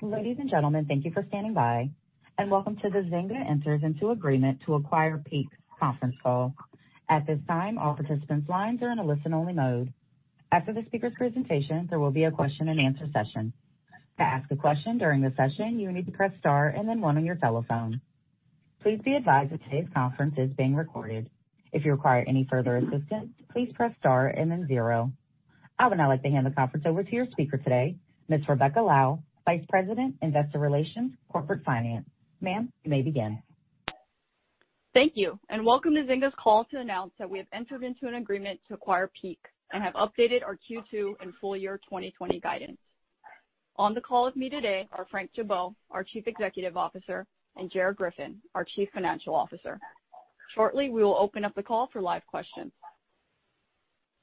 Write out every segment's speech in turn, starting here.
Ladies and gentlemen, thank you for standing by, and welcome to the Zynga Enters into Agreement to Acquire Peak conference call. At this time, all participants' lines are in a listen-only mode. After the speaker's presentation, there will be a question-and-answer session. To ask a question during the session, you need to press star 1 on your telephone. Please be advised that today's conference is being recorded. If you require any further assistance, please press star zero. I would now like to hand the conference over to your speaker today, Ms. Rebecca Lau, Vice President, Investor Relations and Corporate Finance. Ma'am, you may begin. Thank you. Welcome to Zynga's call to announce that we have entered into an agreement to acquire Peak and have updated our Q2 and full-year 2020 guidance. On the call with me today are Frank Gibeau, our Chief Executive Officer, and Gerard Griffin, our Chief Financial Officer. Shortly, we will open up the call for live questions.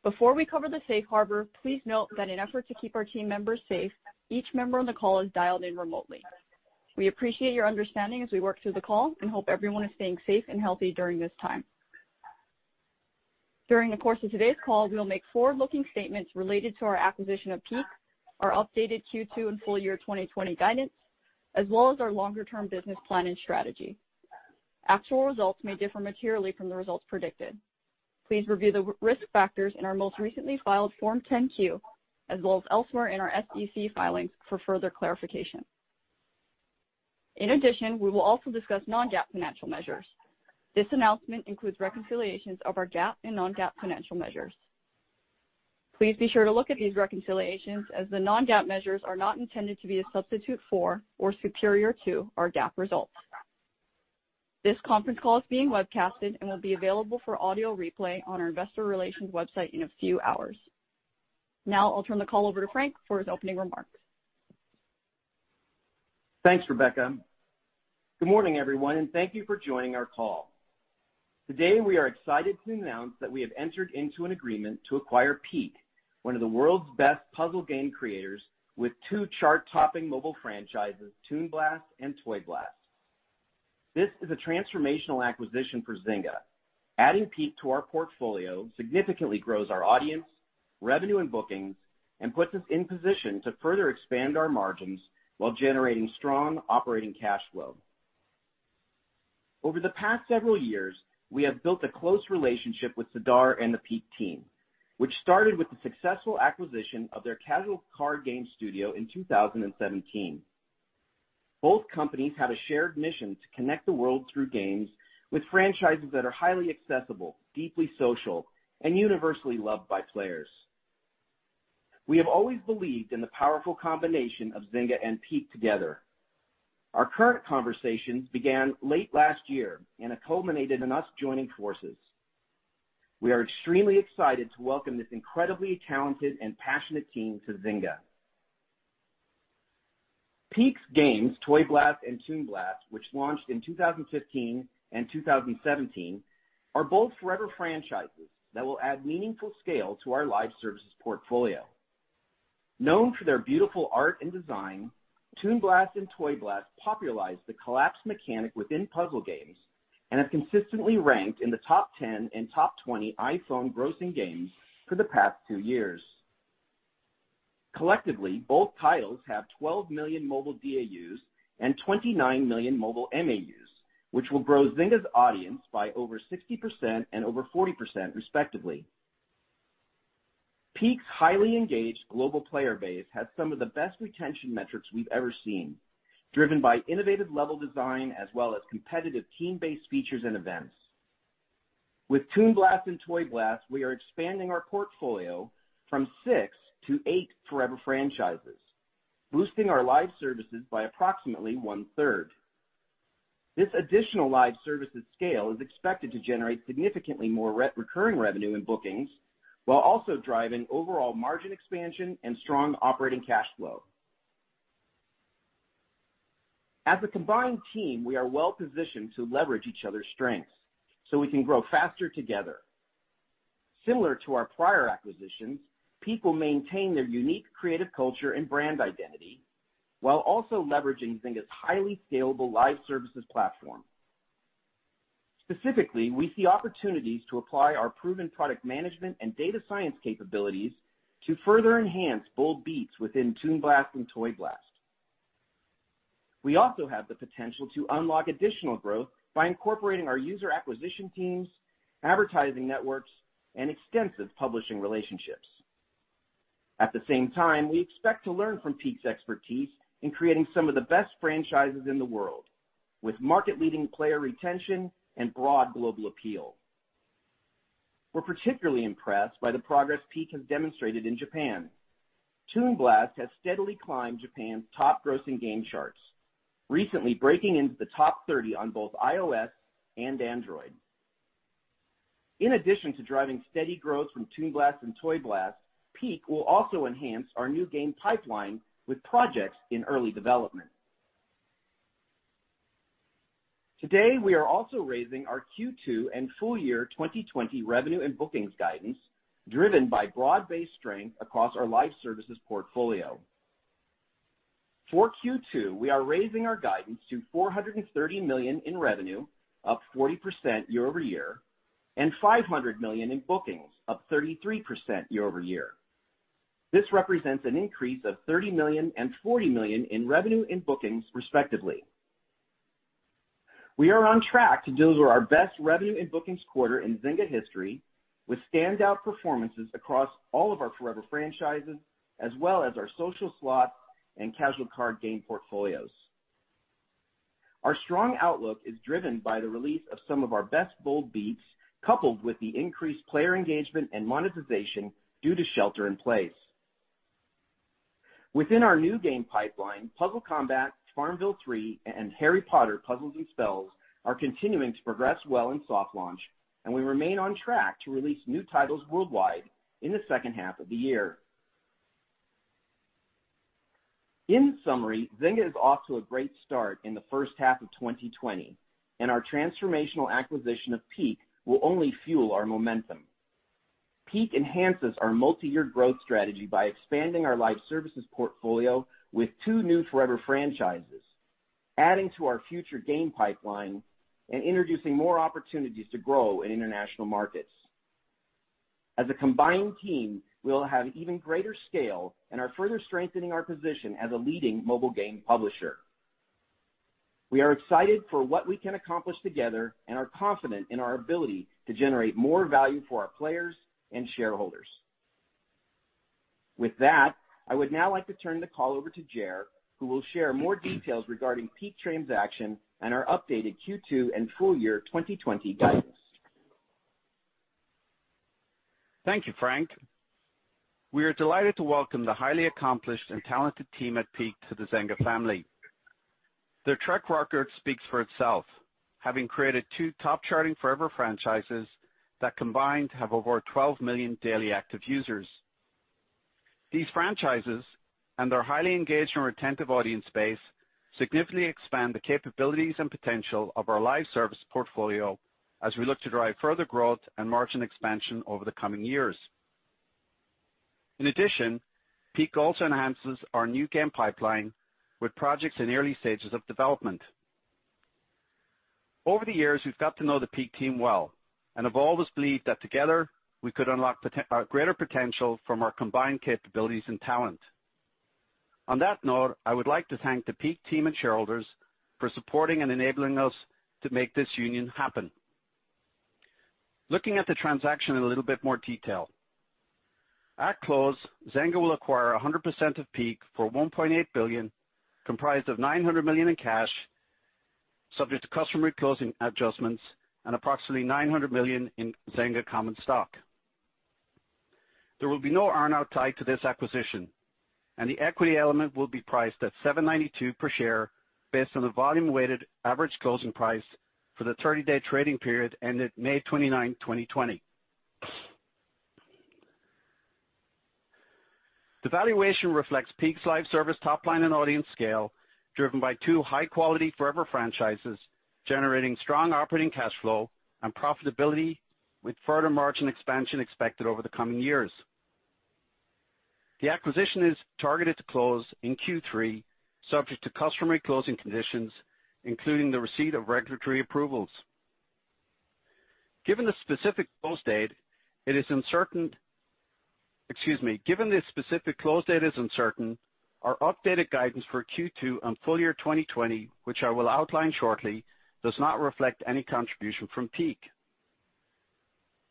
Before we cover the safe harbor, please note that in effort to keep our team members safe, each member on the call is dialed in remotely. We appreciate your understanding as we work through the call and hope everyone is staying safe and healthy during this time. During the course of today's call, we will make forward-looking statements related to our acquisition of Peak, our updated Q2 and full-year 2020 guidance, as well as our longer-term business plan and strategy. Actual results may differ materially from the results predicted. Please review the risk factors in our most recently filed Form 10-Q, as well as elsewhere in our SEC filings for further clarification. In addition, we will also discuss non-GAAP financial measures. This announcement includes reconciliations of our GAAP and non-GAAP financial measures. Please be sure to look at these reconciliations as the non-GAAP measures are not intended to be a substitute for or superior to our GAAP results. This conference call is being webcasted and will be available for audio replay on our investor relations website in a few hours. Now I'll turn the call over to Frank for his opening remarks. Thanks, Rebecca. Good morning, everyone, and thank you for joining our call. Today we are excited to announce that we have entered into an agreement to acquire Peak, one of the world's best puzzle game creators with two chart-topping mobile franchises, Toon Blast and Toy Blast. This is a transformational acquisition for Zynga. Adding Peak to our portfolio significantly grows our audience, revenue, and bookings and puts us in position to further expand our margins while generating strong operating cash flow. Over the past several years, we have built a close relationship with Sidar and the Peak team, which started with the successful acquisition of their casual card game studio in 2017. Both companies have a shared mission to connect the world through games with franchises that are highly accessible, deeply social, and universally loved by players. We have always believed in the powerful combination of Zynga and Peak together. Our current conversations began late last year and have culminated in us joining forces. We are extremely excited to welcome this incredibly talented and passionate team to Zynga. Peak's games, Toy Blast and Toon Blast, which launched in 2015 and 2017, are both forever franchises that will add meaningful scale to our live services portfolio. Known for their beautiful art and design, Toon Blast and Toy Blast popularized the collapse mechanic within puzzle games and have consistently ranked in the top 10 and top 20 iPhone grossing games for the past two years. Collectively, both titles have 12 million mobile DAUs and 29 million mobile MAUs, which will grow Zynga's audience by over 60% and over 40%, respectively. Peak's highly engaged global player base has some of the best retention metrics we've ever seen, driven by innovative level design as well as competitive team-based features and events. With Toon Blast and Toy Blast, we are expanding our portfolio from six to eight forever franchises, boosting our live services by approximately one-third. This additional live services scale is expected to generate significantly more recurring revenue and bookings while also driving overall margin expansion and strong operating cash flow. As a combined team, we are well positioned to leverage each other's strengths so we can grow faster together. Similar to our prior acquisitions, Peak will maintain their unique creative culture and brand identity while also leveraging Zynga's highly scalable live services platform. Specifically, we see opportunities to apply our proven product management and data science capabilities to further enhance bold beats within Toon Blast and Toy Blast. We also have the potential to unlock additional growth by incorporating our user acquisition teams, advertising networks, and extensive publishing relationships. At the same time, we expect to learn from Peak's expertise in creating some of the best franchises in the world, with market-leading player retention and broad global appeal. We're particularly impressed by the progress Peak has demonstrated in Japan. Toon Blast has steadily climbed Japan's top grossing game charts, recently breaking into the top 30 on both iOS and Android. In addition to driving steady growth from Toon Blast and Toy Blast, Peak will also enhance our new game pipeline with projects in early development. Today, we are also raising our Q2 and full-year 2020 revenue and bookings guidance driven by broad-based strength across our live services portfolio. For Q2, we are raising our guidance to $430 million in revenue, up 40% year-over-year. $500 million in bookings, up 33% year-over-year. This represents an increase of $30 million and $40 million in revenue and bookings respectively. We are on track to deliver our best revenue and bookings quarter in Zynga history, with standout performances across all of our forever franchises, as well as our social slot and casual card game portfolios. Our strong outlook is driven by the release of some of our best bold beats, coupled with the increased player engagement and monetization due to shelter in place. Within our new game pipeline, Puzzle Combat, FarmVille 3, and Harry Potter: Puzzles & Spells are continuing to progress well in soft launch, and we remain on track to release new titles worldwide in the second half of the year. In summary, Zynga is off to a great start in the first half of 2020, and our transformational acquisition of Peak will only fuel our momentum. Peak enhances our multi-year growth strategy by expanding our live services portfolio with two new forever franchises, adding to our future game pipeline and introducing more opportunities to grow in international markets. As a combined team, we'll have even greater scale and are further strengthening our position as a leading mobile game publisher. We are excited for what we can accomplish together and are confident in our ability to generate more value for our players and shareholders. With that, I would now like to turn the call over to Ger, who will share more details regarding Peak transaction and our updated Q2 and full-year 2020 guidance. Thank you, Frank. We are delighted to welcome the highly accomplished and talented team at Peak to the Zynga family. Their track record speaks for itself, having created two top-charting forever franchises that combined have over 12 million daily active users. These franchises, and their highly engaged and retentive audience base, significantly expand the capabilities and potential of our live service portfolio as we look to drive further growth and margin expansion over the coming years. In addition, Peak also enhances our new game pipeline with projects in early stages of development. Over the years, we've got to know the Peak team well and have always believed that together we could unlock greater potential from our combined capabilities and talent. On that note, I would like to thank the Peak team and shareholders for supporting and enabling us to make this union happen. Looking at the transaction in a little bit more detail. At close, Zynga will acquire 100% of Peak for $1.8 billion, comprised of $900 million in cash, subject to customary closing adjustments and approximately $900 million in Zynga common stock. There will be no earn-out tied to this acquisition, and the equity element will be priced at $7.92 per share based on the volume weighted average closing price for the 30-day trading period ended May 29th, 2020. The valuation reflects Peak's live service top line and audience scale, driven by two high-quality forever franchises, generating strong operating cash flow and profitability with further margin expansion expected over the coming years. The acquisition is targeted to close in Q3, subject to customary closing conditions, including the receipt of regulatory approvals. Given the specific close date is uncertain, our updated guidance for Q2 and full-year 2020, which I will outline shortly, does not reflect any contribution from Peak.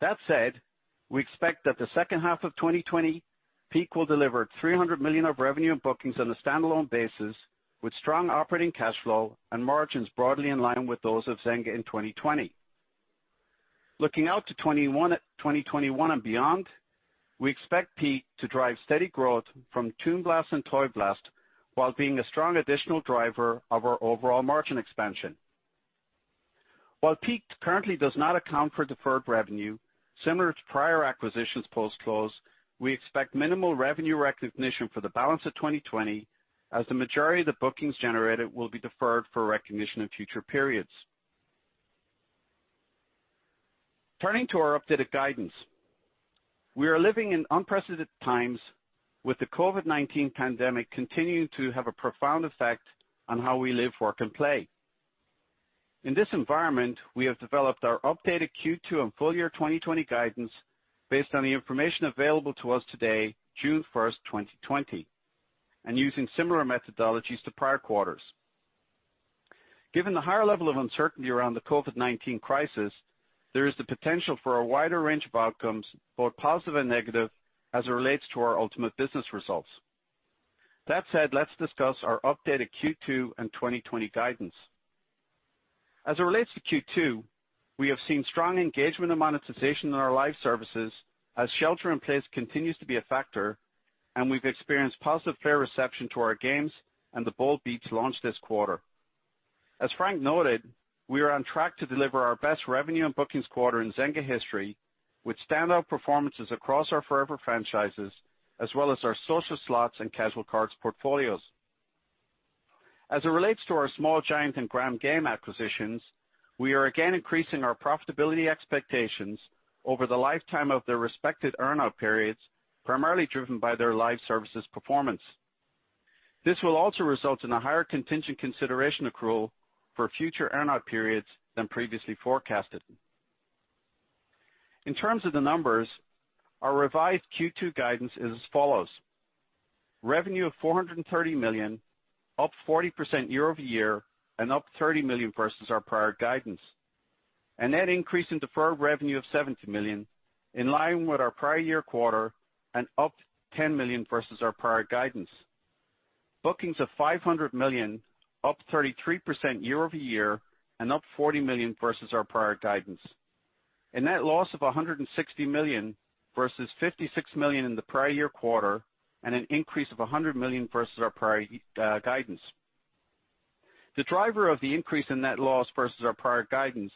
That said, we expect that the second half of 2020, Peak will deliver $300 million of revenue and bookings on a standalone basis, with strong operating cash flow and margins broadly in line with those of Zynga in 2020. Looking out to 2021 and beyond, we expect Peak to drive steady growth from Toon Blast and Toy Blast, while being a strong additional driver of our overall margin expansion. While Peak currently does not account for deferred revenue, similar to prior acquisitions post-close, we expect minimal revenue recognition for the balance of 2020 as the majority of the bookings generated will be deferred for recognition in future periods. Turning to our updated guidance. We are living in unprecedented times with the COVID-19 pandemic continuing to have a profound effect on how we live, work, and play. In this environment, we have developed our updated Q2 and full-year 2020 guidance based on the information available to us today, June 1st, 2020, and using similar methodologies to prior quarters. Given the higher level of uncertainty around the COVID-19 crisis, there is the potential for a wider range of outcomes, both positive and negative, as it relates to our ultimate business results. That said, let's discuss our updated Q2 and 2020 guidance. As it relates to Q2, we have seen strong engagement and monetization in our live services as shelter in place continues to be a factor, and we've experienced positive player reception to our games and the bold beats launched this quarter. As Frank noted, we are on track to deliver our best revenue and bookings quarter in Zynga history, with standout performances across our forever franchises as well as our social slots and casual cards portfolios. As it relates to our Small Giant Games and Gram Games acquisitions, we are again increasing our profitability expectations over the lifetime of their respective earn-out periods, primarily driven by their live services performance. This will also result in a higher contingent consideration accrual for future earn-out periods than previously forecasted. In terms of the numbers, our revised Q2 guidance is as follows. Revenue of $430 million, up 40% year-over-year, and up $30 million versus our prior guidance. A net increase in deferred revenue of $70 million, in line with our prior year quarter and up $10 million versus our prior guidance. Bookings of $500 million, up 33% year-over-year, and up $40 million versus our prior guidance. A net loss of $160 million versus $56 million in the prior year quarter, and an increase of $100 million versus our prior guidance. The driver of the increase in net loss versus our prior guidance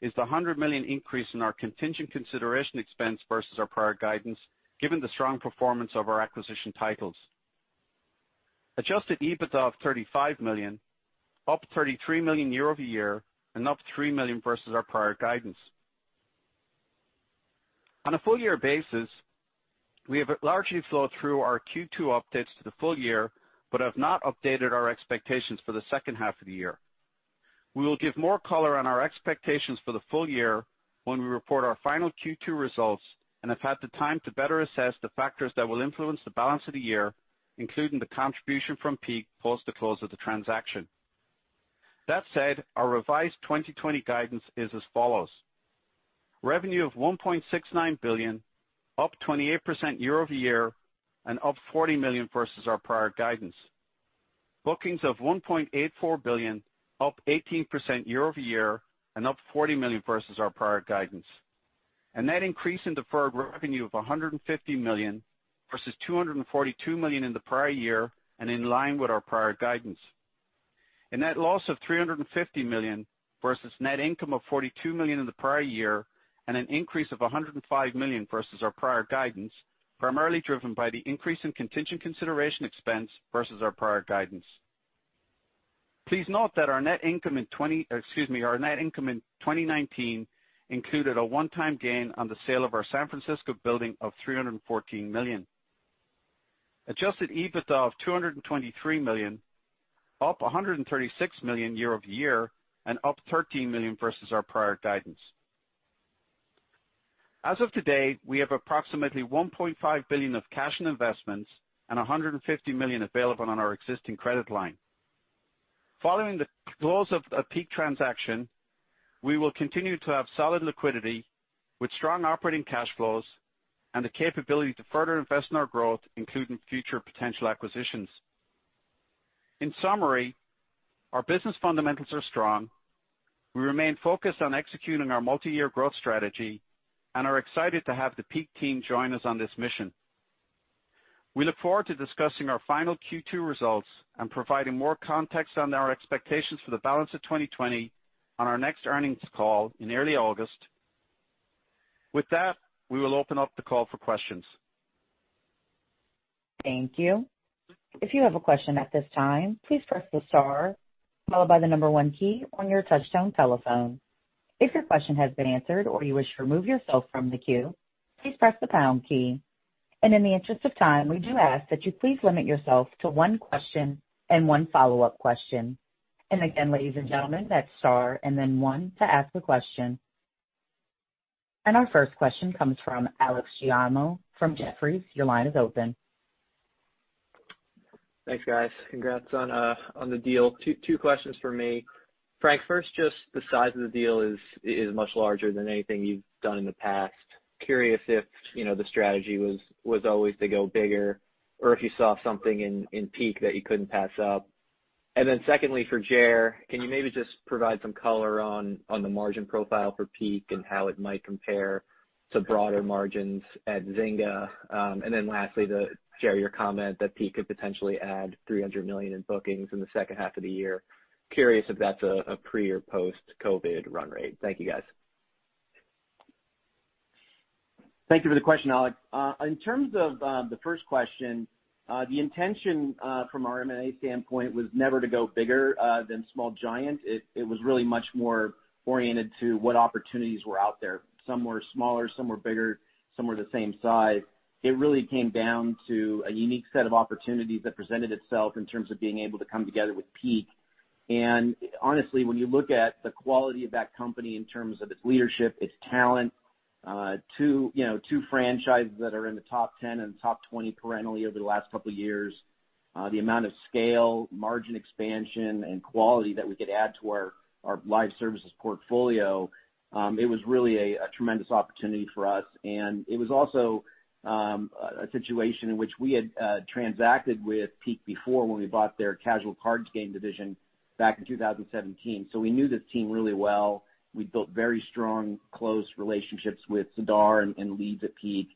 is the $100 million increase in our contingent consideration expense versus our prior guidance, given the strong performance of our acquisition titles. Adjusted EBITDA of $35 million, up $33 million year-over-year, and up $3 million versus our prior guidance. On a full-year basis, we have largely flowed through our Q2 updates to the full-year but have not updated our expectations for the second half of the year. We will give more color on our expectations for the full-year when we report our final Q2 results and have had the time to better assess the factors that will influence the balance of the year, including the contribution from Peak post the close of the transaction. Our revised 2020 guidance is as follows. Revenue of $1.69 billion, up 28% year-over-year and up $40 million versus our prior guidance. Bookings of $1.84 billion, up 18% year-over-year and up $40 million versus our prior guidance. A net increase in deferred revenue of $150 million versus $242 million in the prior year and in line with our prior guidance. A net loss of $350 million versus net income of $42 million in the prior year and an increase of $105 million versus our prior guidance, primarily driven by the increase in contingent consideration expense versus our prior guidance. Please note that our net income in 2019 included a one-time gain on the sale of our San Francisco building of $314 million. Adjusted EBITDA of $223 million, up $136 million year-over-year and up $13 million versus our prior guidance. As of today, we have approximately $1.5 billion of cash and investments and $150 million available on our existing credit line. Following the close of the Peak transaction, we will continue to have solid liquidity with strong operating cash flows and the capability to further invest in our growth, including future potential acquisitions. In summary, our business fundamentals are strong. We remain focused on executing our multi-year growth strategy and are excited to have the Peak team join us on this mission. We look forward to discussing our final Q2 results and providing more context on our expectations for the balance of 2020 on our next earnings call in early August. With that, we will open up the call for questions. Thank you. If you have a question at this time, please press the star followed by the one key on your touchtone telephone. If your question has been answered or you wish to remove yourself from the queue, please press the pound key. In the interest of time, we do ask that you please limit yourself to one question and one follow-up question. Again, ladies and gentlemen, that's star and then one to ask a question. Our first question comes from Alex Giaimo from Jefferies. Your line is open. Thanks, guys. Congrats on the deal. Two questions from me. Frank, first, just the size of the deal is much larger than anything you've done in the past. Curious if the strategy was always to go bigger or if you saw something in Peak that you couldn't pass up. Secondly, for Ger, can you maybe just provide some color on the margin profile for Peak and how it might compare to broader margins at Zynga? Lastly, Ger, your comment that Peak could potentially add $300 million in bookings in the second half of the year. Curious if that's a pre or post-COVID run rate. Thank you, guys. Thank you for the question, Alex. In terms of the first question, the intention from our M&A standpoint was never to go bigger than Small Giant. It was really much more oriented to what opportunities were out there. Some were smaller, some were bigger, some were the same size. It really came down to a unique set of opportunities that presented itself in terms of being able to come together with Peak. Honestly, when you look at the quality of that company in terms of its leadership, its talent, two franchises that are in the top 10 and top 20 perennially over the last couple of years, the amount of scale, margin expansion, and quality that we could add to our live services portfolio, it was really a tremendous opportunity for us. It was also a situation in which we had transacted with Peak before when we bought their casual cards game division back in 2017. We knew the team really well. We built very strong close relationships with Sidar and leads at Peak.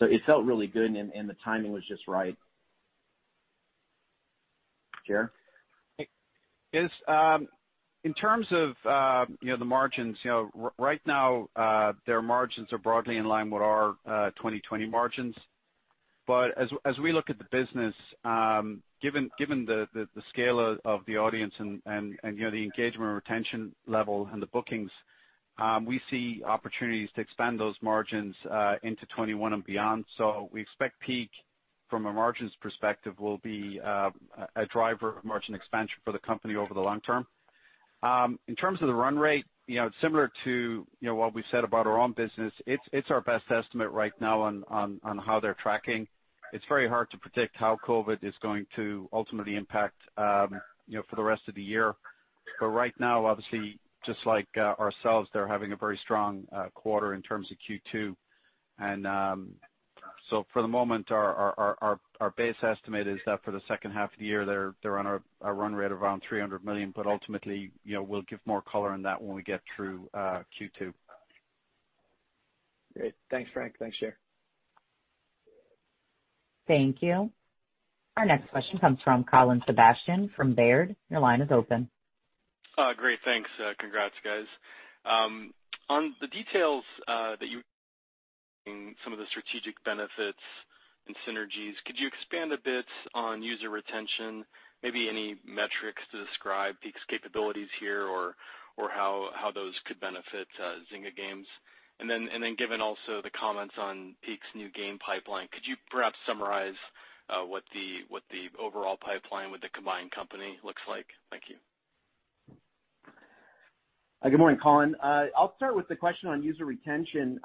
It felt really good, and the timing was just right. Ger? In terms of the margins, right now their margins are broadly in line with our 2020 margins. As we look at the business, given the scale of the audience and the engagement and retention level and the bookings, we see opportunities to expand those margins into 2021 and beyond. We expect Peak, from a margins perspective, will be a driver of margin expansion for the company over the long-term. in terms of the run rate, it's similar to what we've said about our own business. It's our best estimate right now on how they're tracking. It's very hard to predict how COVID is going to ultimately impact for the rest of the year. Right now, obviously, just like ourselves, they're having a very strong quarter in terms of Q2. For the moment, our base estimate is that for the second half of the year, they're on a run rate of around $300 million, but ultimately, we'll give more color on that when we get through Q2. Great. Thanks, Frank. Thanks, Ger. Thank you. Our next question comes from Colin Sebastian from Baird. Your line is open. Great. Thanks. Congrats, guys. On the details that some of the strategic benefits and synergies, could you expand a bit on user retention, maybe any metrics to describe Peak's capabilities here or how those could benefit Zynga games? Then, given also the comments on Peak's new game pipeline, could you perhaps summarize what the overall pipeline with the combined company looks like? Thank you. Good morning, Colin. I'll start with the question on user retention.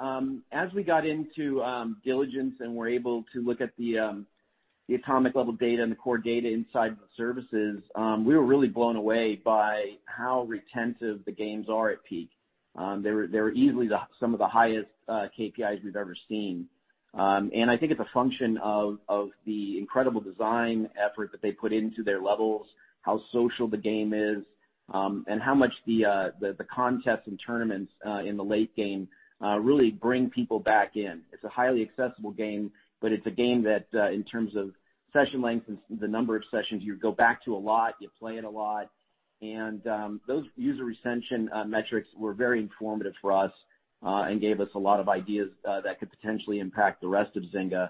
As we got into diligence and were able to look at the atomic level data and the core data inside the services, we were really blown away by how retentive the games are at Peak. They were easily some of the highest KPIs we've ever seen. I think it's a function of the incredible design effort that they put into their levels, how social the game is, and how much the contests and tournaments in the late game really bring people back in. It's a highly accessible game, but it's a game that, in terms of session length and the number of sessions, you go back to a lot, you play it a lot. Those user retention metrics were very informative for us and gave us a lot of ideas that could potentially impact the rest of Zynga.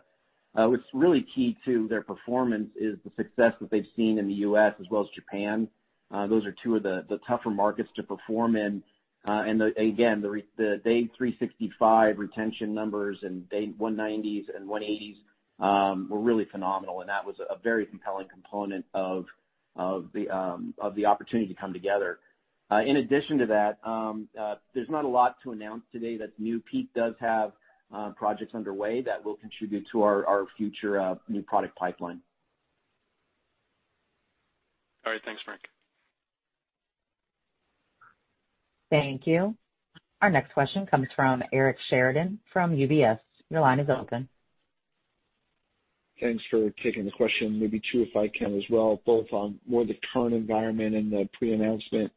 What's really key to their performance is the success that they've seen in the U.S. as well as Japan. Those are two of the tougher markets to perform in. Again, the day 365 retention numbers and day 190s and 180s were really phenomenal, and that was a very compelling component of the opportunity to come together. In addition to that, there's not a lot to announce today that's new. Peak does have projects underway that will contribute to our future new product pipeline. All right. Thanks, Frank. Thank you. Our next question comes from Eric Sheridan from UBS. Your line is open. Thanks for taking the question. Maybe two, if I can as well, both on more the current environment and the pre-announcement.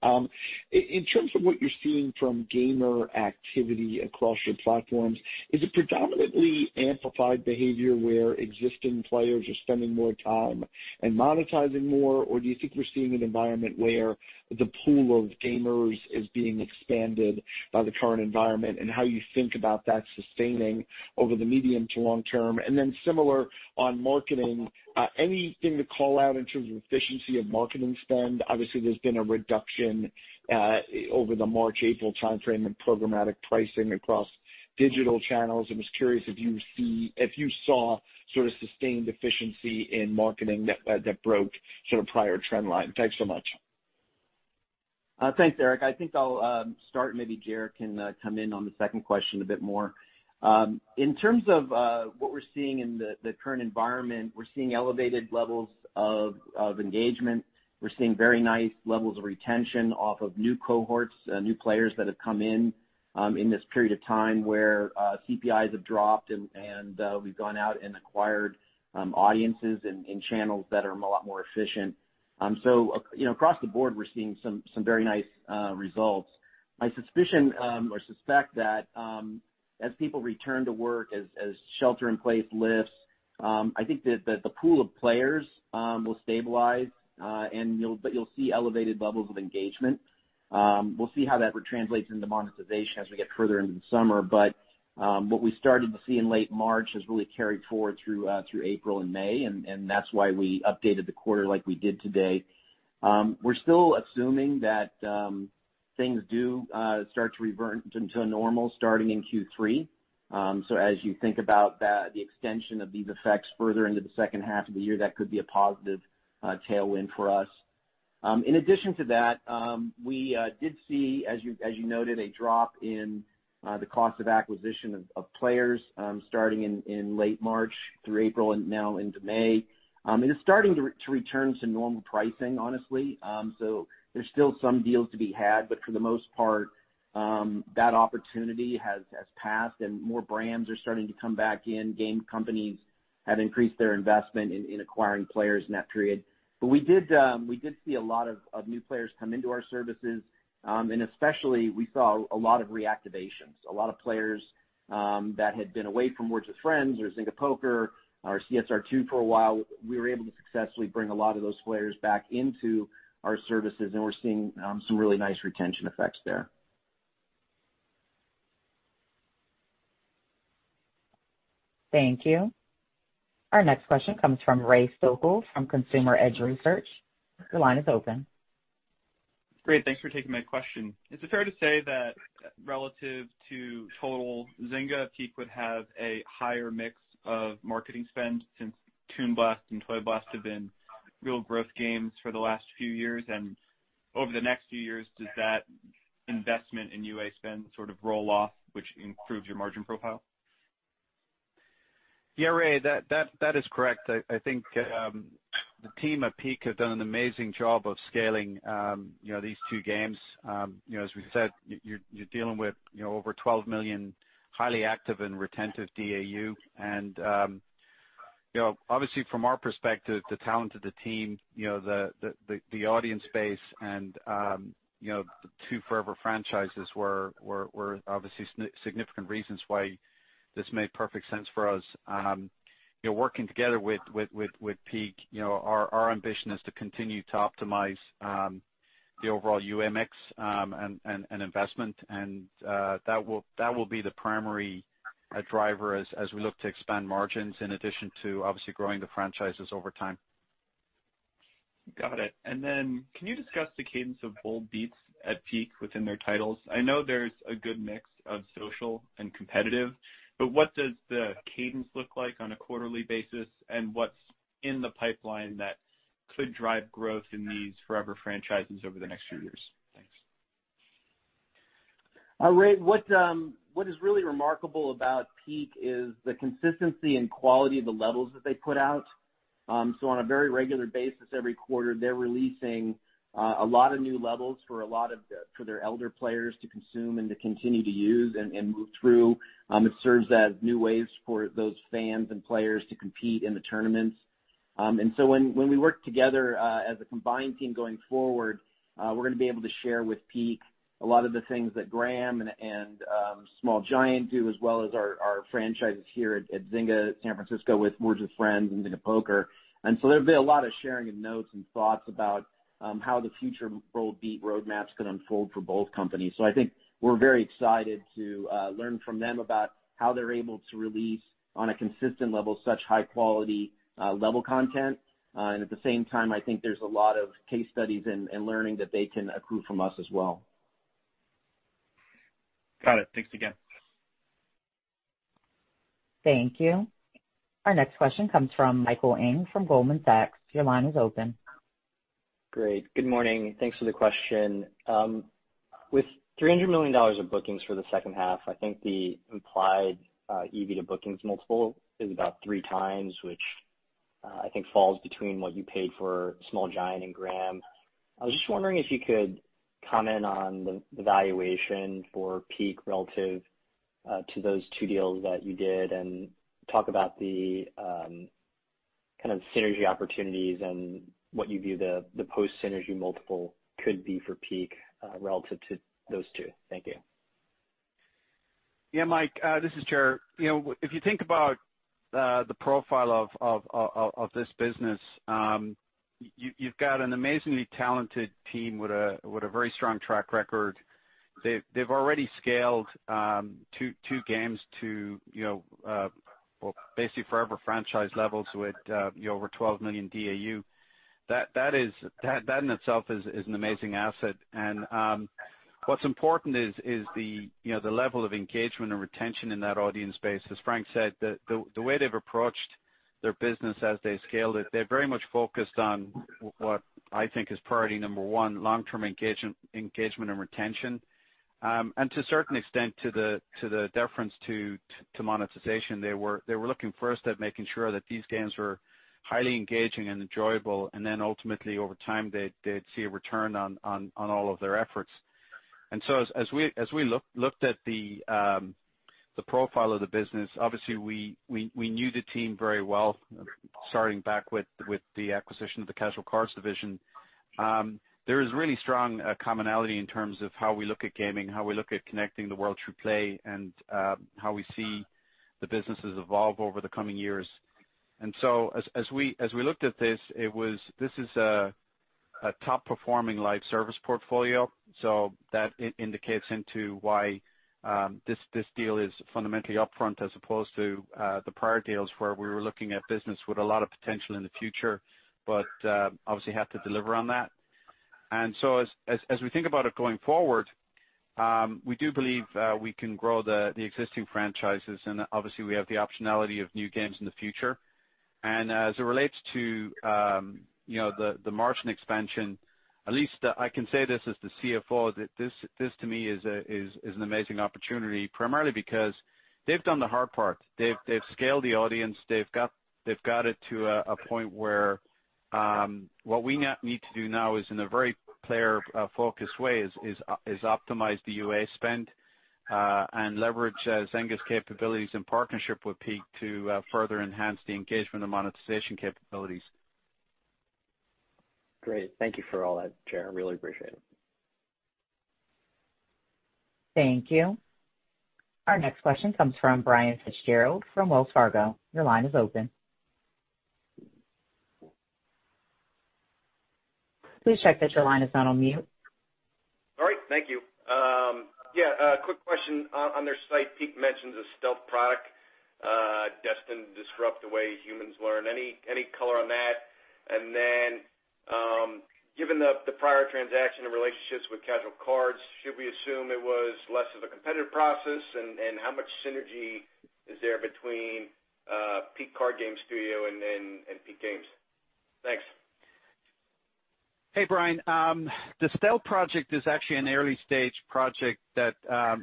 In terms of what you're seeing from gamer activity across your platforms, is it predominantly amplified behavior where existing players are spending more time and monetizing more? Do you think we're seeing an environment where the pool of gamers is being expanded by the current environment? How you think about that sustaining over the medium to long-term? Similar on marketing, anything to call out in terms of efficiency of marketing spend? Obviously, there's been a reduction over the March/April timeframe in programmatic pricing across digital channels. I'm just curious if you saw sort of sustained efficiency in marketing that broke sort of prior trend line. Thanks so much. Thanks, Eric. I think I'll start, maybe Ger can come in on the second question a bit more. In terms of what we're seeing in the current environment, we're seeing elevated levels of engagement. We're seeing very nice levels of retention off of new cohorts, new players that have come in in this period of time where CPIs have dropped and we've gone out and acquired audiences and channels that are a lot more efficient. Across the board, we're seeing some very nice results. My suspicion or suspect that as people return to work, as shelter in place lifts, I think that the pool of players will stabilize, but you'll see elevated levels of engagement. We'll see how that translates into monetization as we get further into the summer. What we started to see in late March has really carried forward through April and May, and that's why we updated the quarter like we did today. We're still assuming that things do start to revert to normal starting in Q3. As you think about the extension of these effects further into the second half of the year, that could be a positive tailwind for us. In addition to that, we did see, as you noted, a drop in the cost of acquisition of players starting in late March through April and now into May. It is starting to return to normal pricing, honestly. There's still some deals to be had, but for the most part, that opportunity has passed and more brands are starting to come back in. Game companies have increased their investment in acquiring players in that period. We did see a lot of new players come into our services, and especially we saw a lot of reactivations, a lot of players that had been away from Words With Friends or Zynga Poker or CSR2 for a while. We were able to successfully bring a lot of those players back into our services, and we're seeing some really nice retention effects there. Thank you. Our next question comes from Ray Stochel from Consumer Edge Research. Your line is open. Great. Thanks for taking my question. Is it fair to say that Relative to total Zynga, Peak would have a higher mix of marketing spend since Toon Blast and Toy Blast have been real growth games for the last few years. Over the next few years, does that investment in UA spend sort of roll off, which improves your margin profile? Yeah, Ray, that is correct. I think the team at Peak have done an amazing job of scaling these two games. As we said, you're dealing with over 12 million highly active and retentive DAU. Obviously from our perspective, the talent of the team, the audience base and the two forever franchises were obviously significant reasons why this made perfect sense for us. Working together with Peak, our ambition is to continue to optimize the overall UA mix and investment. That will be the primary driver as we look to expand margins in addition to obviously growing the franchises over time. Got it. Can you discuss the cadence of bold beats at Peak within their titles? I know there's a good mix of social and competitive, but what does the cadence look like on a quarterly basis, and what's in the pipeline that could drive growth in these forever franchises over the next few years? Thanks. Ray, what is really remarkable about Peak is the consistency and quality of the levels that they put out. On a very regular basis, every quarter, they're releasing a lot of new levels for their elder players to consume and to continue to use and move through. It serves as new ways for those fans and players to compete in the tournaments. When we work together as a combined team going forward, we're going to be able to share with Peak a lot of the things that Gram and Small Giant do, as well as our franchises here at Zynga San Francisco with Words With Friends and Zynga Poker. There'll be a lot of sharing of notes and thoughts about how the future bold beat roadmaps could unfold for both companies. I think we're very excited to learn from them about how they're able to release, on a consistent level, such high-quality level content. At the same time, I think there's a lot of case studies and learning that they can accrue from us as well. Got it. Thanks again. Thank you. Our next question comes from Michael Ng from Goldman Sachs. Your line is open. Great, good morning. Thanks for the question. With $300 million of bookings for the second half, I think the implied EV to bookings multiple is about three times, which I think falls between what you paid for Small Giant and Gram. I was just wondering if you could comment on the valuation for Peak relative to those two deals that you did, and talk about the kind of synergy opportunities and what you view the post-synergy multiple could be for Peak relative to those two. Thank you. Yeah, Mike, this is Gerard. If you think about the profile of this business, you've got an amazingly talented team with a very strong track record. They've already scaled two games to basically forever franchise levels with over 12 million DAU. That in itself is an amazing asset. What's important is the level of engagement and retention in that audience base. As Frank said, the way they've approached their business as they scaled it, they're very much focused on what I think is priority number one, long-term engagement and retention. To a certain extent, to the deference to monetization, they were looking first at making sure that these games were highly engaging and enjoyable, then ultimately, over time, they'd see a return on all of their efforts. As we looked at the profile of the business, obviously we knew the team very well, starting back with the acquisition of the Casual Cards division. There is really strong commonality in terms of how we look at gaming, how we look at connecting the world through play, and how we see the businesses evolve over the coming years. As we looked at this is a top-performing live service portfolio. That indicates into why this deal is fundamentally upfront as opposed to the prior deals where we were looking at business with a lot of potential in the future, but obviously had to deliver on that. As we think about it going forward, we do believe we can grow the existing franchises, and obviously we have the optionality of new games in the future. As it relates to the margin expansion, at least I can say this as the CFO, that this to me is an amazing opportunity, primarily because they've done the hard part. They've scaled the audience. They've got it to a point where what we now need to do now is in a very player-focused way is optimize the UA spend and leverage Zynga's capabilities in partnership with Peak to further enhance the engagement and monetization capabilities. Great. Thank you for all that, Gerard. Really appreciate it. Thank you. Our next question comes from Brian Fitzgerald from Wells Fargo. Your line is open. Please check that your line is not on mute. All right, thank you. Yeah, a quick question. On their site, Peak mentions a stealth product destined to disrupt the way humans learn. Any color on that? Given the prior transaction and relationships with Casual Cards, should we assume it was less of a competitive process? How much synergy is there between Peak Card Game Studio and Peak Games? Thanks. Hey, Brian. The stealth project is actually an early-stage project that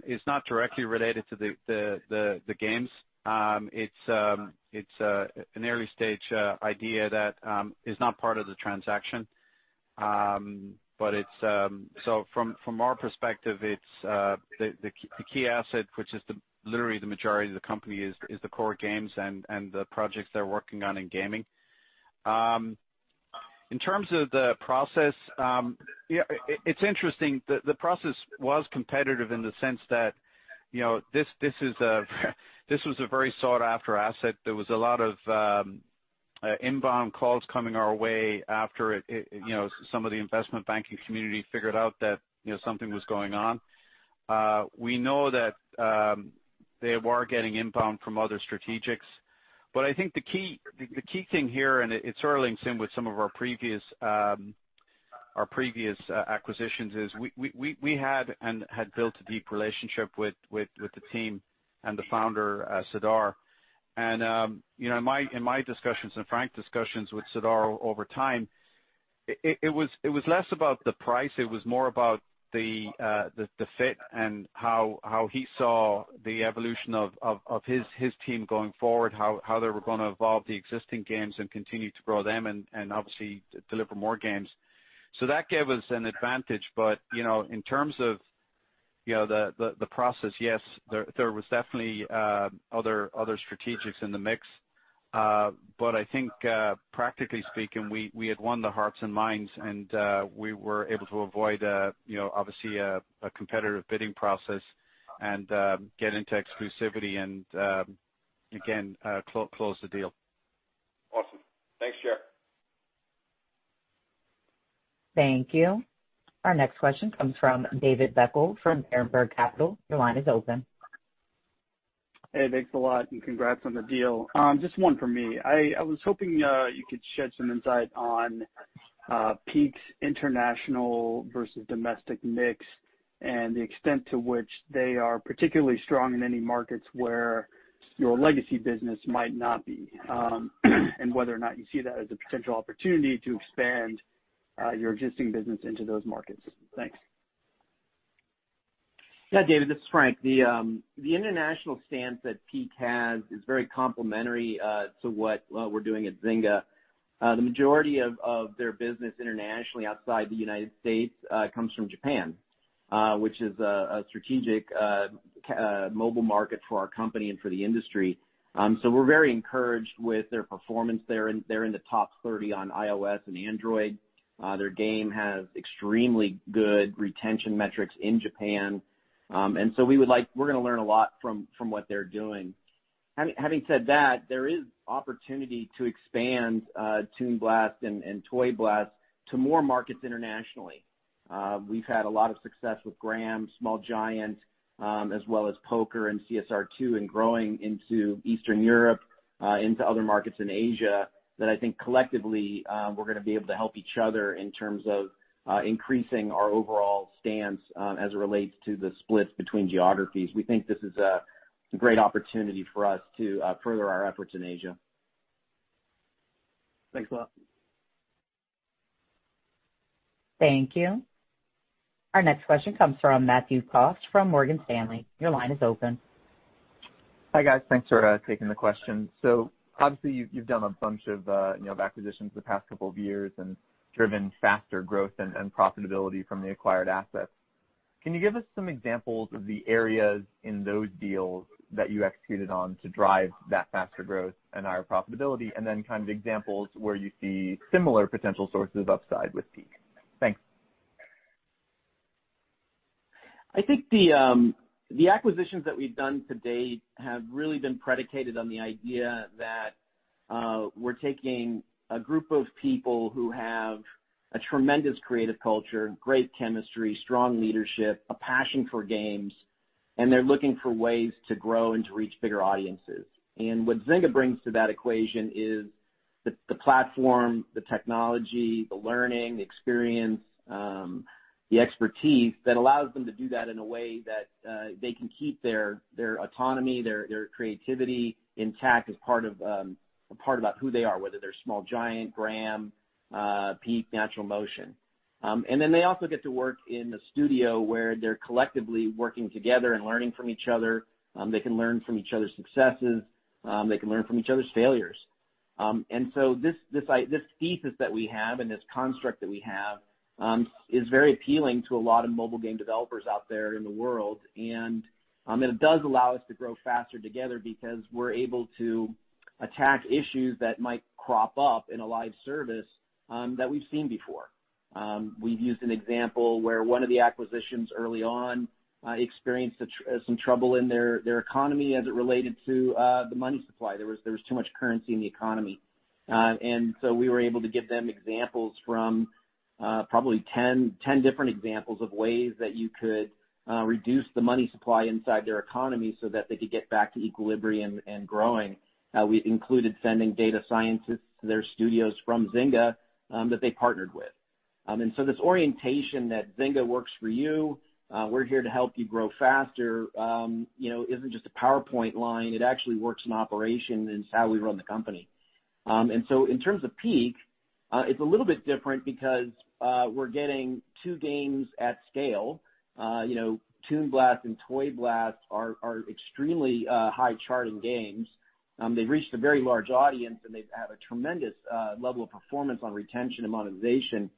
is not directly related to the games. It's an early-stage idea that is not part of the transaction. From our perspective, the key asset, which is literally the majority of the company, is the core games and the projects they're working on in gaming. In terms of the process, it's interesting. The process was competitive in the sense that this was a very sought-after asset. There was a lot of inbound calls coming our way after some of the investment banking community figured out that something was going on. We know that they were getting inbound from other strategics. I think the key thing here, and it's eerily in sync with some of our previous acquisitions, is we had built a deep relationship with the team and the founder, Sidar. In my discussions and Frank's discussions with Sidar over time, it was less about the price. It was more about the fit and how he saw the evolution of his team going forward, how they were going to evolve the existing games and continue to grow them and obviously deliver more games. That gave us an advantage. In terms of the process, yes, there was definitely other strategics in the mix. I think practically speaking, we had won the hearts and minds, and we were able to avoid obviously a competitive bidding process and get into exclusivity and, again, close the deal. Awesome. Thanks, Ger. Thank you. Our next question comes from David Beckel from Berenberg Capital. Your line is open. Hey, thanks a lot and congrats on the deal. Just one from me. I was hoping you could shed some insight on Peak's international versus domestic mix and the extent to which they are particularly strong in any markets where your legacy business might not be, and whether or not you see that as a potential opportunity to expand your existing business into those markets? Thanks. Yeah, David, this is Frank. The international stance that Peak has is very complementary to what we're doing at Zynga. The majority of their business internationally outside the United States comes from Japan, which is a strategic mobile market for our company and for the industry. We're very encouraged with their performance there. They're in the top 30 on iOS and Android. Their game has extremely good retention metrics in Japan. We're going to learn a lot from what they're doing. Having said that, there is opportunity to expand Toon Blast and Toy Blast to more markets internationally. We've had a lot of success with Gram, Small Giant, as well as Poker and CSR2 in growing into Eastern Europe, into other markets in Asia, that I think collectively we're going to be able to help each other in terms of increasing our overall stance as it relates to the splits between geographies. We think this is a great opportunity for us to further our efforts in Asia. Thanks a lot. Thank you. Our next question comes from Matthew Cost from Morgan Stanley. Your line is open. Hi, guys. Thanks for taking the question. Obviously you've done a bunch of acquisitions the past couple of years and driven faster growth and profitability from the acquired assets. Can you give us some examples of the areas in those deals that you executed on to drive that faster growth and higher profitability, and then kind of examples where you see similar potential sources of upside with Peak? Thanks. I think the acquisitions that we've done to date have really been predicated on the idea that we're taking a group of people who have a tremendous creative culture, great chemistry, strong leadership, a passion for games, and they're looking for ways to grow and to reach bigger audiences. What Zynga brings to that equation is the platform, the technology, the learning, the experience, the expertise that allows them to do that in a way that they can keep their autonomy, their creativity intact as part about who they are, whether they're Small Giant, Gram, Peak, NaturalMotion. They also get to work in a studio where they're collectively working together and learning from each other. They can learn from each other's successes. They can learn from each other's failures. This thesis that we have and this construct that we have is very appealing to a lot of mobile game developers out there in the world. It does allow us to grow faster together because we're able to attack issues that might crop up in a live service that we've seen before. We've used an example where one of the acquisitions early on experienced some trouble in their economy as it related to the money supply. There was too much currency in the economy. We were able to give them probably 10 different examples of ways that you could reduce the money supply inside their economy so that they could get back to equilibrium and growing. We included sending data scientists to their studios from Zynga that they partnered with. So this orientation that Zynga works for you, we're here to help you grow faster isn't just a PowerPoint line. It actually works in operation and it's how we run the company. In terms of Peak, it's a little bit different because we're getting two games at scale. Toon Blast and Toy Blast are extremely high-charting games. They've reached a very large audience, and they have a tremendous level of performance on retention and monetization.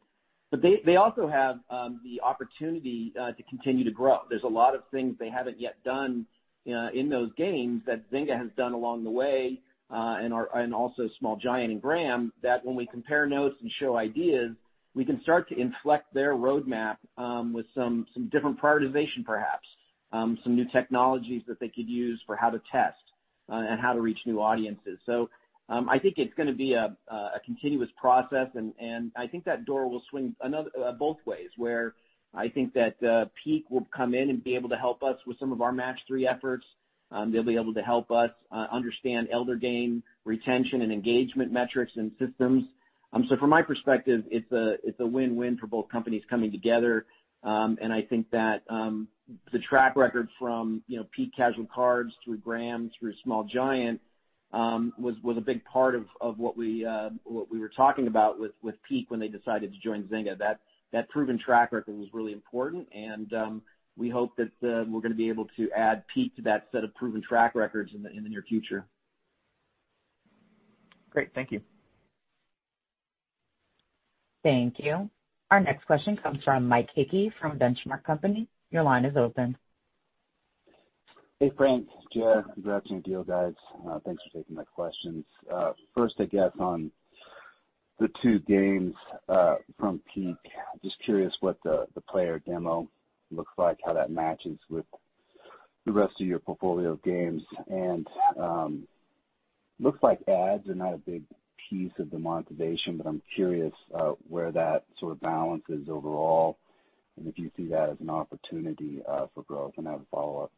They also have the opportunity to continue to grow. There's a lot of things they haven't yet done in those games that Zynga has done along the way, and also Small Giant and Gram, that when we compare notes and show ideas, we can start to inflect their roadmap with some different prioritization perhaps, some new technologies that they could use for how to test and how to reach new audiences. I think it's going to be a continuous process, and I think that door will swing both ways, where I think that Peak will come in and be able to help us with some of our Match 3 efforts. They'll be able to help us understand elder game retention and engagement metrics and systems. From my perspective, it's a win-win for both companies coming together. I think that the track record from Peak Casual Cards through Gram through Small Giant was a big part of what we were talking about with Peak when they decided to join Zynga. That proven track record was really important, and we hope that we're going to be able to add Peak to that set of proven track records in the near future. Great. Thank you. Thank you. Our next question comes from Mike Hickey from Benchmark Company. Your line is open. Hey, Frank, Ger. Congrats on your deal, guys. Thanks for taking my questions. First, I guess on the two games from Peak. Just curious what the player demo looks like, how that matches with the rest of your portfolio of games. Looks like ads are not a big piece of the monetization, but I'm curious where that sort of balance is overall and if you see that as an opportunity for growth. I have a follow-up.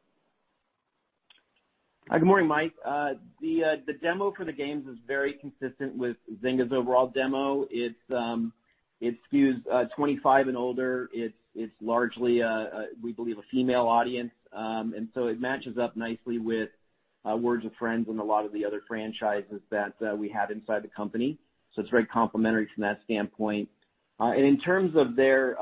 Good morning, Mike. The demo for the games is very consistent with Zynga's overall demo. It skews 25 and older. It's largely, we believe, a female audience. It matches up nicely with Words With Friends and a lot of the other franchises that we have inside the company. It's very complementary from that standpoint. In terms of their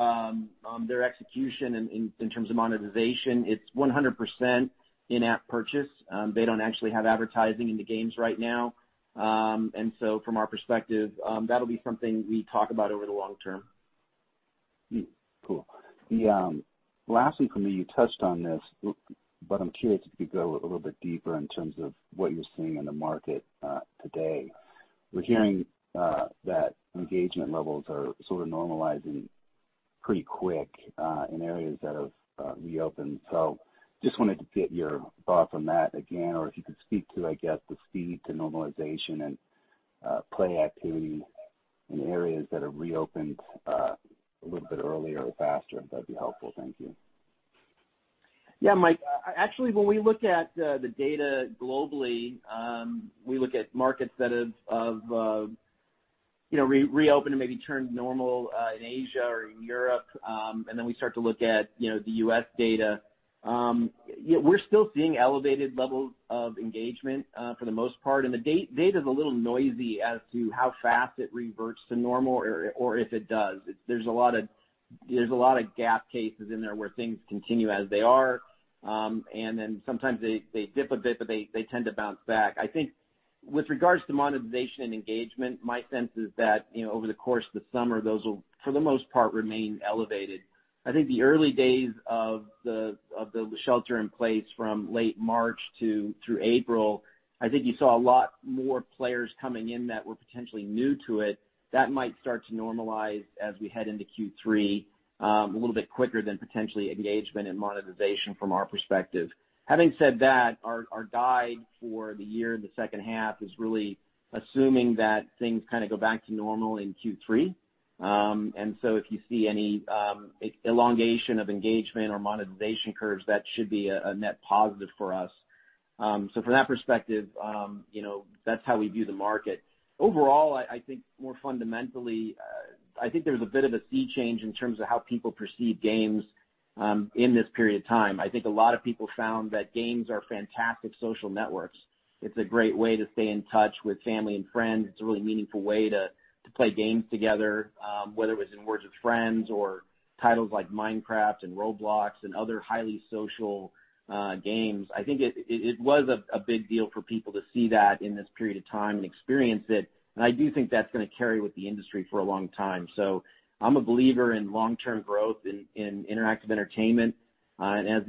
execution in terms of monetization, it's 100% in-app purchase. They don't actually have advertising in the games right now. From our perspective, that'll be something we talk about over the long-term. Cool. Lastly from me, you touched on this, but I'm curious if you could go a little bit deeper in terms of what you're seeing in the market today. We're hearing that engagement levels are sort of normalizing pretty quick in areas that have reopened. Just wanted to get your thought from that again, or if you could speak to, I guess, the speed to normalization and play activity in areas that have reopened a little bit earlier or faster, that'd be helpful. Thank you. Yeah, Mike. Actually, when we look at the data globally, we look at markets that have reopened and maybe returned normal in Asia or in Europe. We start to look at the U.S. data. We're still seeing elevated levels of engagement for the most part. The data's a little noisy as to how fast it reverts to normal or if it does. There's a lot of gap cases in there where things continue as they are. Sometimes they dip a bit, but they tend to bounce back. I think with regards to monetization and engagement, my sense is that over the course of the summer, those will, for the most part, remain elevated. I think the early days of the shelter in place from late March through April, I think you saw a lot more players coming in that were potentially new to it. That might start to normalize as we head into Q3, a little bit quicker than potentially engagement and monetization from our perspective. Having said that, our guide for the year in the second half is really assuming that things kind of go back to normal in Q3. If you see any elongation of engagement or monetization curves, that should be a net positive for us. From that perspective, that's how we view the market. Overall, I think more fundamentally, I think there's a bit of a sea change in terms of how people perceive games in this period of time. I think a lot of people found that games are fantastic social networks. It's a great way to stay in touch with family and friends. It's a really meaningful way to play games together, whether it was in Words With Friends or titles like Minecraft and Roblox and other highly social games. I think it was a big deal for people to see that in this period of time and experience it, and I do think that's going to carry with the industry for a long time. I'm a believer in long-term growth in interactive entertainment. As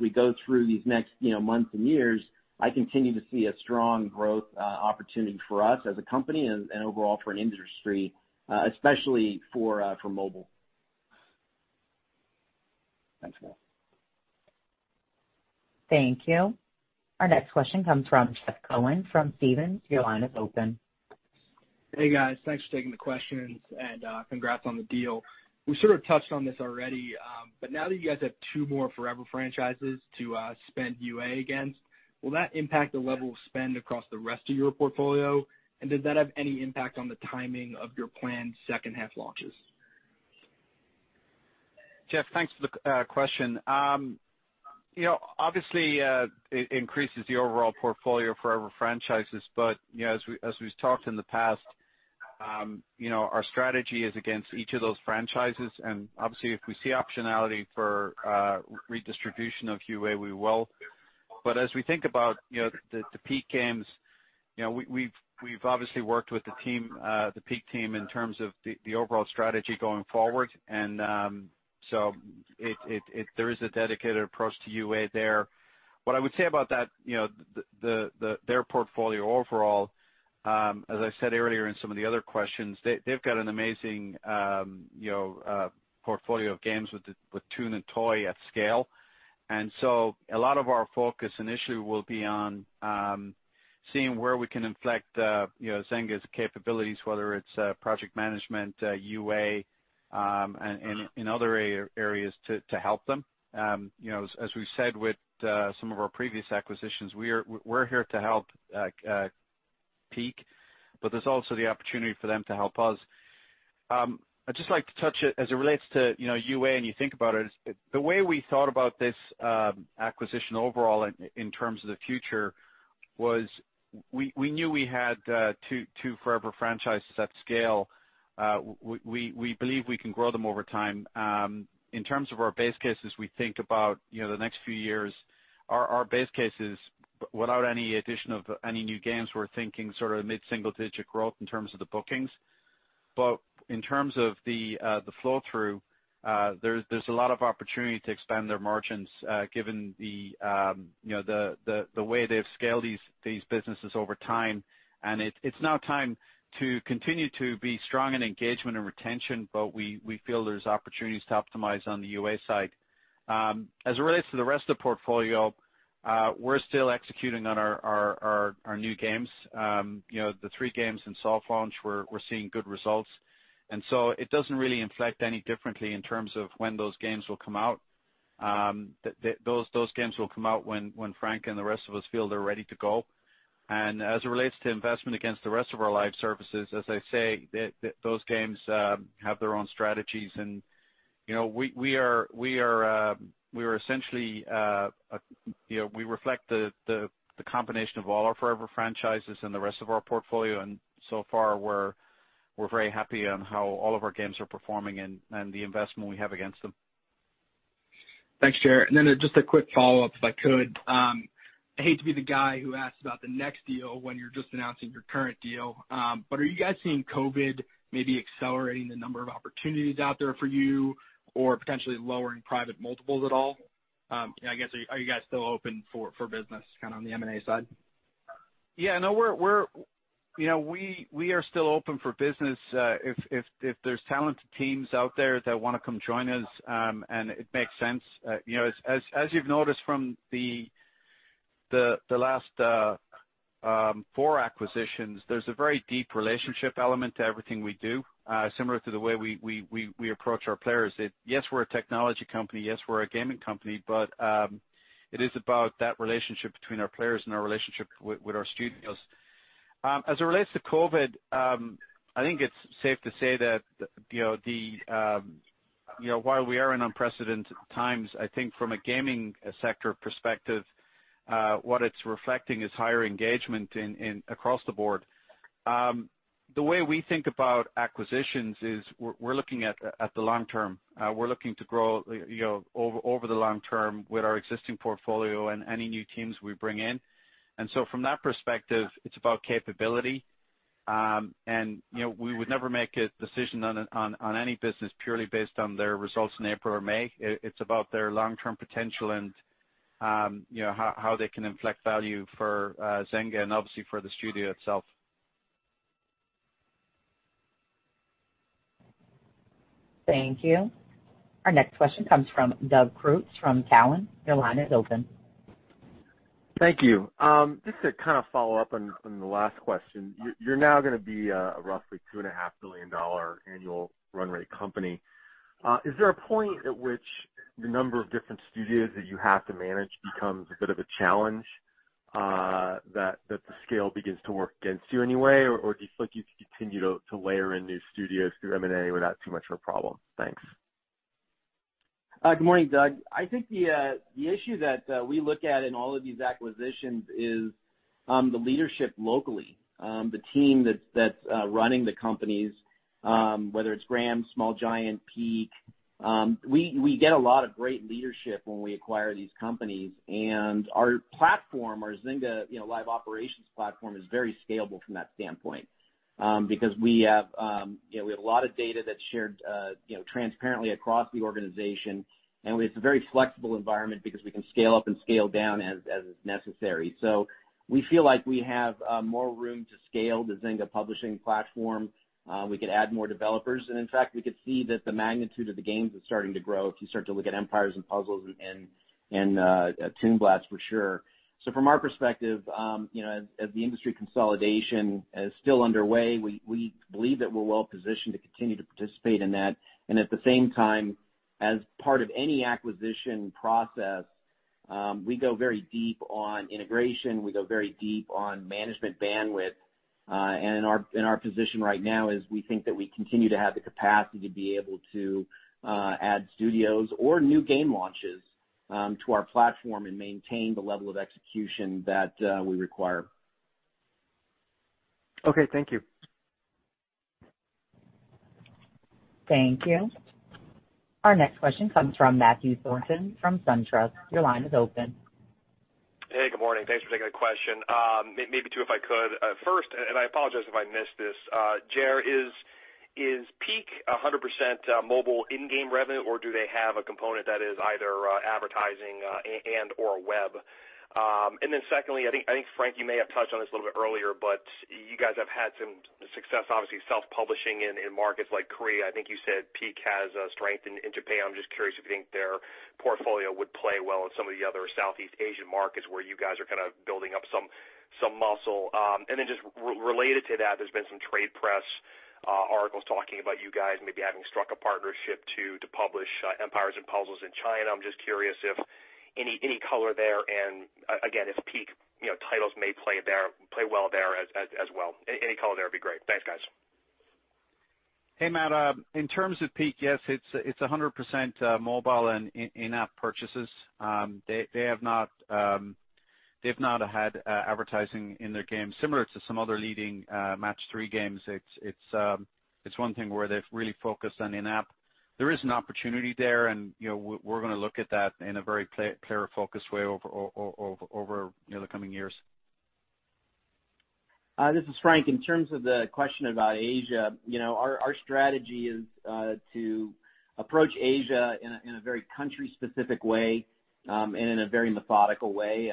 we go through these next months and years, I continue to see a strong growth opportunity for us as a company and overall for an industry, especially for mobile. Thanks, man. Thank you. Our next question comes from Jeff Cohen from Stephens. Your line is open. Hey, guys. Thanks for taking the questions, and congrats on the deal. We sort of touched on this already, but now that you guys have two more forever franchises to spend UA against, will that impact the level of spend across the rest of your portfolio? Did that have any impact on the timing of your planned second half launches? Jeff, thanks for the question. Obviously, it increases the overall portfolio forever franchises. As we've talked in the past, our strategy is against each of those franchises. Obviously, if we see optionality for redistribution of UA, we will. As we think about the Peak Games, we've obviously worked with the Peak team in terms of the overall strategy going forward. There is a dedicated approach to UA there. What I would say about their portfolio overall, as I said earlier in some of the other questions, they've got an amazing portfolio of games with Toon and Toy at scale. A lot of our focus initially will be on seeing where we can inflect Zynga's capabilities, whether it's project management, UA, and other areas to help them. As we've said with some of our previous acquisitions, we're here to help Peak, but there's also the opportunity for them to help us. I'd just like to touch it as it relates to UA, and you think about it, the way we thought about this acquisition overall in terms of the future was we knew we had two forever franchises at scale. We believe we can grow them over time. In terms of our base cases, we think about the next few years, our base cases, without any addition of any new games, we're thinking sort of mid-single digit growth in terms of the bookings. In terms of the flow-through, there's a lot of opportunity to expand their margins, given the way they've scaled these businesses over time, and it's now time to continue to be strong in engagement and retention. We feel there's opportunities to optimize on the UA side. As it relates to the rest of the portfolio, we're still executing on our new games. The three games in soft launch, we're seeing good results, it doesn't really inflect any differently in terms of when those games will come out. Those games will come out when Frank and the rest of us feel they're ready to go. As it relates to investment against the rest of our live services, as I say, those games have their own strategies, we reflect the combination of all our forever franchises and the rest of our portfolio. So far we're very happy on how all of our games are performing and the investment we have against them. Thanks, Ger. Just a quick follow-up, if I could. I hate to be the guy who asks about the next deal when you're just announcing your current deal. Are you guys seeing COVID maybe accelerating the number of opportunities out there for you or potentially lowering private multiples at all? I guess, are you guys still open for business kind of on the M&A side? Yeah, no, we are still open for business. If there's talented teams out there that want to come join us, and it makes sense. As you've noticed from the last four acquisitions, there's a very deep relationship element to everything we do. Similar to the way we approach our players. Yes, we're a technology company. Yes, we're a gaming company. It is about that relationship between our players and our relationship with our studios. As it relates to COVID-19, I think it's safe to say that while we are in unprecedented times, I think from a gaming sector perspective, what it's reflecting is higher engagement across the board. The way we think about acquisitions is we're looking at the long-term. We're looking to grow over the long-term with our existing portfolio and any new teams we bring in. From that perspective, it's about capability. We would never make a decision on any business purely based on their results in April or May. It's about their long-term potential and how they can inflect value for Zynga and obviously for the studio itself. Thank you. Our next question comes from Doug Creutz from Cowen. Your line is open. Thank you. Just to kind of follow up on the last question. You're now going to be a roughly $2.5 billion annual run rate company. Is there a point at which the number of different studios that you have to manage becomes a bit of a challenge that the scale begins to work against you in any way? Or do you feel like you could continue to layer in new studios through M&A without too much of a problem? Thanks. Good morning, Doug. I think the issue that we look at in all of these acquisitions is the leadership locally, the team that's running the companies, whether it's Gram, Small Giant, Peak. We get a lot of great leadership when we acquire these companies. Our platform, our Zynga live operations platform is very scalable from that standpoint because we have a lot of data that's shared transparently across the organization, and it's a very flexible environment because we can scale up and scale down as is necessary. We feel like we have more room to scale the Zynga publishing platform. We could add more developers, and in fact, we could see that the magnitude of the games is starting to grow if you start to look at Empires & Puzzles and Toon Blast for sure. From our perspective, as the industry consolidation is still underway, we believe that we're well positioned to continue to participate in that. At the same time, as part of any acquisition process, we go very deep on integration, we go very deep on management bandwidth. Our position right now is we think that we continue to have the capacity to be able to add studios or new game launches to our platform and maintain the level of execution that we require. Okay. Thank you. Thank you. Our next question comes from Matthew Thornton from SunTrust. Your line is open. Hey, good morning. Thanks for taking the question. Maybe two, if I could. First, I apologize if I missed this, Ger, is Peak 100% mobile in-game revenue, or do they have a component that is either advertising and/or web? Secondly, I think, Frank, you may have touched on this a little bit earlier, but you guys have had some success, obviously, self-publishing in markets like Korea. I think you said Peak has strength in Japan. I'm just curious if you think their portfolio would play well in some of the other Southeast Asian markets where you guys are kind of building up some muscle. Just related to that, there's been some trade press articles talking about you guys maybe having struck a partnership to publish Empires & Puzzles in China. I'm just curious if any color there, and again, if Peak titles may play well there as well. Any color there would be great. Thanks, guys. Hey, Matt. In terms of Peak, yes, it's 100% mobile and in-app purchases. They have not had advertising in their games, similar to some other leading Match 3 games. It's one thing where they've really focused on in-app. There is an opportunity there, and we're going to look at that in a very player-focused way over the coming years. This is Frank. In terms of the question about Asia, our strategy is to approach Asia in a very country-specific way and in a very methodical way.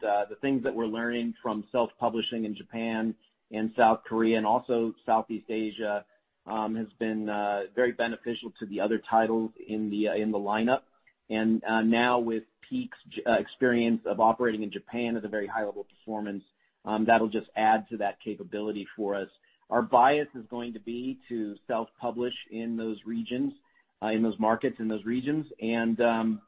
The things that we're learning from self-publishing in Japan and South Korea and also Southeast Asia has been very beneficial to the other titles in the lineup. Now with Peak's experience of operating in Japan at a very high level of performance, that'll just add to that capability for us. Our bias is going to be to self-publish in those markets, in those regions, and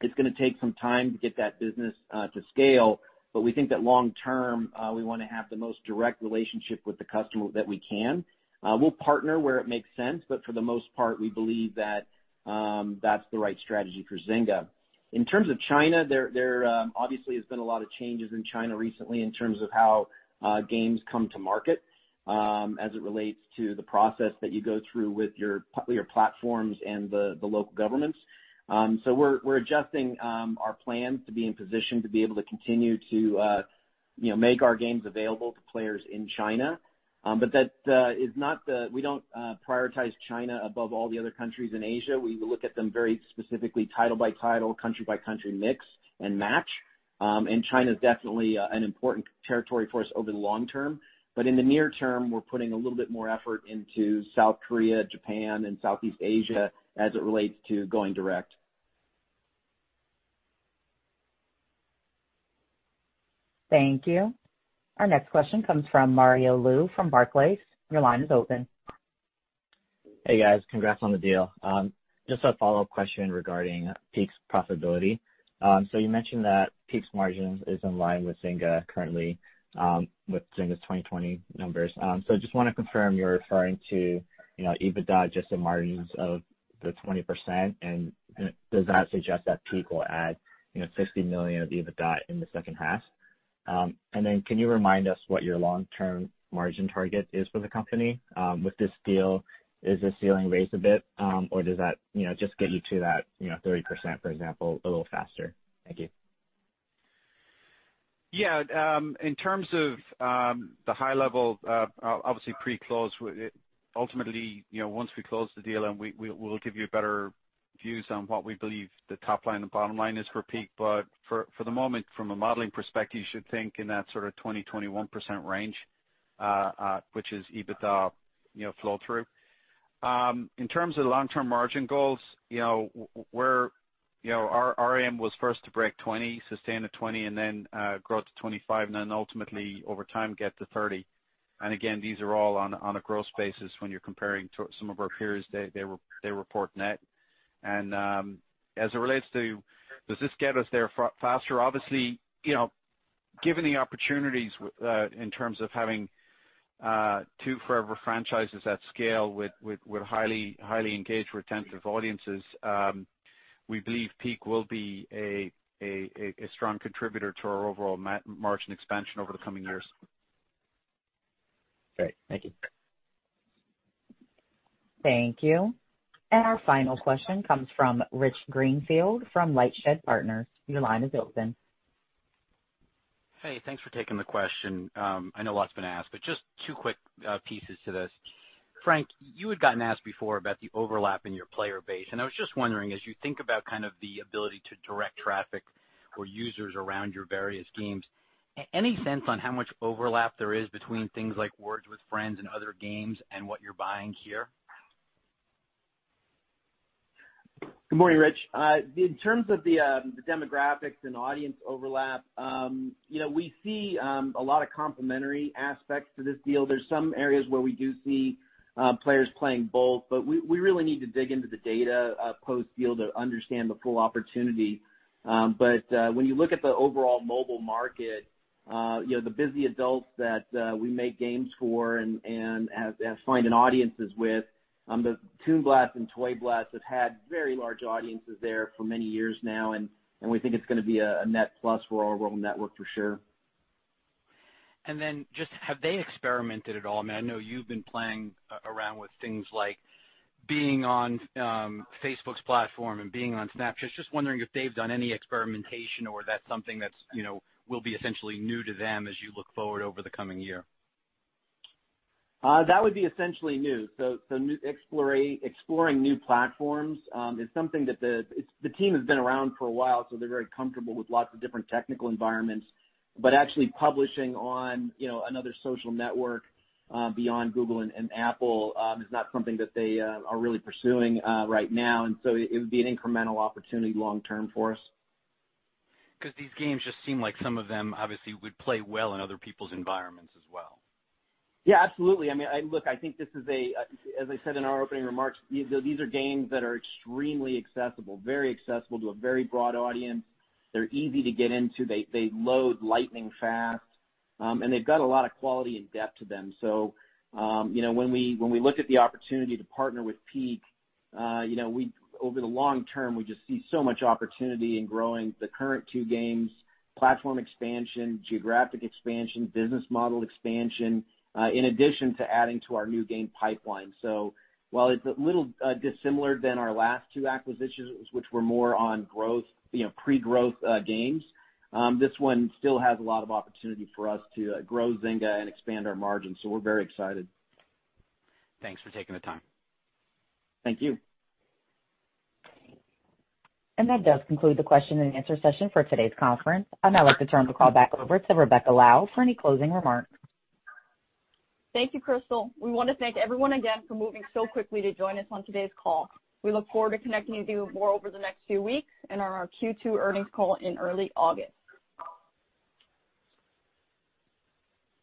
it's going to take some time to get that business to scale. We think that long-term, we want to have the most direct relationship with the customer that we can. We'll partner where it makes sense, but for the most part, we believe that's the right strategy for Zynga. In terms of China, there obviously has been a lot of changes in China recently in terms of how games come to market as it relates to the process that you go through with your platforms and the local governments. We're adjusting our plans to be in position to be able to continue to make our games available to players in China. We don't prioritize China above all the other countries in Asia. We look at them very specifically, title by title, country by country, mix and match. China's definitely an important territory for us over the long-term. In the near-term, we're putting a little bit more effort into South Korea, Japan, and Southeast Asia as it relates to going direct. Thank you. Our next question comes from Mario Lu from Barclays. Your line is open. Hey, guys. Congrats on the deal. Just a follow-up question regarding Peak's profitability. You mentioned that Peak's margins is in line with Zynga currently, with Zynga's 2020 numbers. I just want to confirm you're referring to EBITDA, just the margins of the 20%. Does that suggest that Peak will add $60 million of EBITDA in the second half? Can you remind us what your long-term margin target is for the company? With this deal, is the ceiling raised a bit, or does that just get you to that 30%, for example, a little faster? Thank you. In terms of the high level, obviously pre-close, ultimately, once we close the deal, we'll give you better views on what we believe the top line and bottom line is for Peak. For the moment, from a modeling perspective, you should think in that sort of 20%-21% range, which is EBITDA flow through. In terms of long-term margin goals, our aim was first to break 20%, sustain the 20%, then grow to 25%, and then ultimately, over time, get to 30%. Again, these are all on a gross basis. When you're comparing to some of our peers, they report net. As it relates to does this get us there faster, obviously, given the opportunities in terms of having two forever franchises at scale with highly engaged, retentive audiences, we believe Peak will be a strong contributor to our overall margin expansion over the coming years. Great. Thank you. Thank you. Our final question comes from Rich Greenfield from LightShed Partners. Your line is open. Hey, thanks for taking the question. I know a lot's been asked, but just two quick pieces to this. Frank, you had gotten asked before about the overlap in your player base, I was just wondering, as you think about kind of the ability to direct traffic or users around your various games, any sense on how much overlap there is between things like Words With Friends and other games and what you're buying here? Good morning, Rich. In terms of the demographics and audience overlap, we see a lot of complementary aspects to this deal. There is some areas where we do see players playing both, but we really need to dig into the data post-deal to understand the full opportunity. When you look at the overall mobile market. The busy adults that we make games for and finding audiences with, the Toon Blast and Toy Blast have had very large audiences there for many years now, and we think it is going to be a net plus for our overall network for sure. Just have they experimented at all? I know you've been playing around with things like being on Facebook's platform and being on Snapchat. Just wondering if they've done any experimentation or that's something that will be essentially new to them as you look forward over the coming year. That would be essentially new. Exploring new platforms is something that the team has been around for a while, so they're very comfortable with lots of different technical environments. Actually publishing on another social network beyond Google and Apple is not something that they are really pursuing right now, and so it would be an incremental opportunity long-term for us. These games just seem like some of them obviously would play well in other people's environments as well. Yeah, absolutely. Look, I think this is, as I said in our opening remarks, these are games that are extremely accessible, very accessible to a very broad audience. They're easy to get into. They load lightning fast. They've got a lot of quality and depth to them. When we look at the opportunity to partner with Peak, over the long-term, we just see so much opportunity in growing the current two games, platform expansion, geographic expansion, business model expansion, in addition to adding to our new game pipeline. While it's a little dissimilar than our last two acquisitions, which were more on pre-growth games, this one still has a lot of opportunity for us to grow Zynga and expand our margins. We're very excited. Thanks for taking the time. Thank you. That does conclude the question and answer session for today's conference. I'd now like to turn the call back over to Rebecca Lau for any closing remarks. Thank you, Crystal. We want to thank everyone again for moving so quickly to join us on today's call. We look forward to connecting with you more over the next few weeks and on our Q2 earnings call in early August.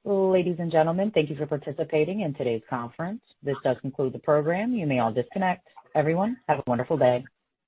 Ladies and gentlemen, thank you for participating in today's conference. This does conclude the program. You may all disconnect. Everyone, have a wonderful day.